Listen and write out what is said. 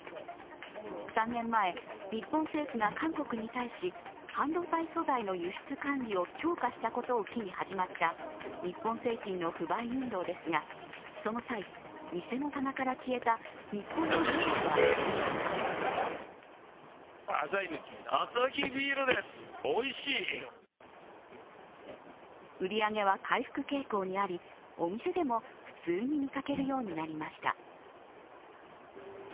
３年前、日本政府が韓国に対し半導体素材の輸出管理を強化したことを機に始まった日本製品の不買運動ですがその際、店の棚から消えた日本のビールは今売り上げは回復傾向にありお店でも普通に見かけるようになりました。